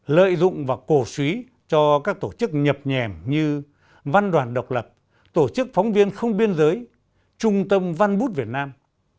lợi dụng và cổ suý cho các tổ chức nhập nhèm như văn đoàn độc lập tổ chức phóng viên không biên giới trung tâm văn bút việt nam